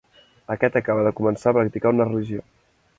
Aquest acaba de començar a practicar una religió.